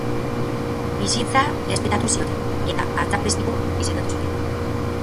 Bizitza errespetatu zioten, eta artzapezpiku izendatu zuten.